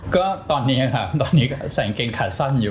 ก็ตอนนี้ครับตอนนี้ก็ใส่กางเกงขาสั้นอยู่